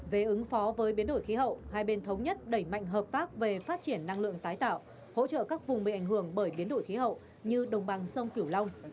về ứng phó với biến đổi khí hậu hai bên thống nhất đẩy mạnh hợp tác về phát triển năng lượng tái tạo hỗ trợ các vùng bị ảnh hưởng bởi biến đổi khí hậu như đồng bằng sông kiểu long